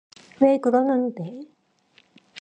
왜 그러는데?